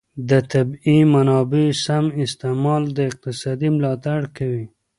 د طبیعي منابعو سم استعمال د اقتصاد ملاتړ کوي.